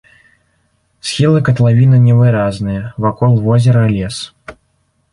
Схілы катлавіны невыразныя, вакол возера лес.